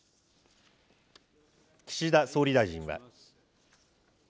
岸田総理大臣は。